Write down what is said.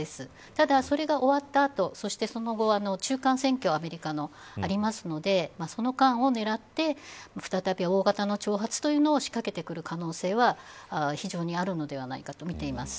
ただ、それが終わった後そして、その後アメリカの中間選挙があるのでその間を狙って再び大型の挑発というのを仕掛けてくる可能性は、非常にあるのではないかとみています。